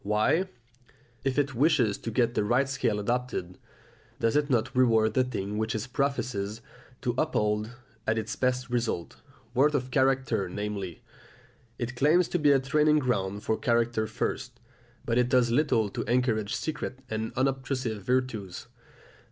Why, if it wishes to get the right scale adopted, does it not reward the thing which it professes to uphold as its best result, worth of character namely? It claims to be a training ground for character first, but it does little to encourage secret and unobtrusive virtues.